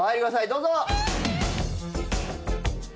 どうぞ。